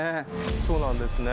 そうなんですね。